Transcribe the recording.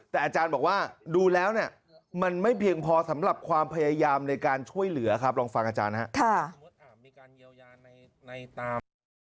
แต่อาจารย์บอกว่าดูแล้วเนี่ยมันไม่เพียงพอสำหรับความพยายามในการช่วยเหลือครับลองฟังอาจารย์นะครับ